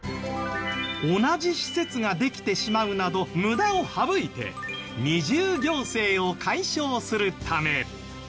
同じ施設ができてしまうなど無駄を省いて二重行政を解消するため。